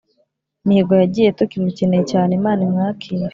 mihigo yagiye tukimukeneye cyane imana imwakire